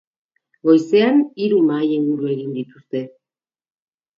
Goizean hiru mahai-inguru egin dituzte.